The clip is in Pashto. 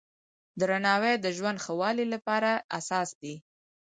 درناوی د ژوند ښه والي لپاره اساس دی.